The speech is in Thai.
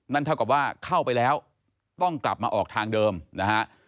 เท่ากับว่าเข้าไปแล้วต้องกลับมาออกทางเดิมนะฮะ